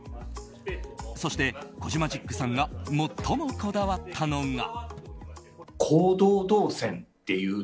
そして、コジマジックさんが最もこだわったのが。